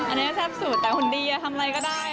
อันนี้แซ่บสุดแต่หุ่นดีทำอะไรก็ได้